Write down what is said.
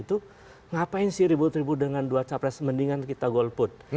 itu ngapain sih ribut ribut dengan dua capres mendingan kita golput